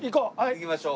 行きましょう。